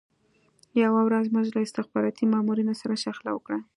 یوه ورځ موږ له استخباراتي مامورینو سره شخړه وکړه